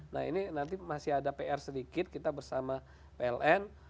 nah ini nanti masih ada pr sedikit kita bersama pln